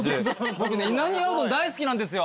僕ね稲庭うどん大好きなんですよ